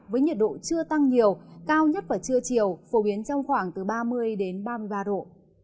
với nhiệt độ chưa tăng nhiều cao nhất vào trưa chiều phổ biến trong khoảng từ ba mươi đến ba mươi ba độ